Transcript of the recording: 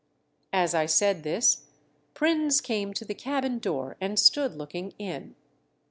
As I said this, Prins came to the cabin door, and stood looking in.